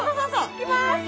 いきます！